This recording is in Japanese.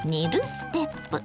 ステップ。